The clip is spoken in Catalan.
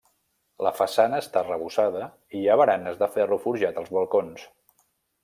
La façana està arrebossada i hi ha baranes de ferro forjat als balcons.